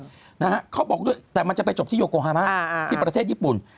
เขาบอกนะฮะเขาบอกด้วยแต่มันจะไปจบที่โยโกฮามาที่ประเทศญี่ปุ่น